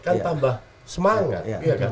kan tambah semangat